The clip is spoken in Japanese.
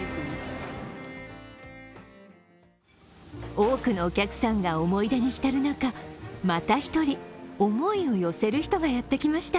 多くのお客さんが思い出に浸る中また１人、思いを寄せる人がやってきました。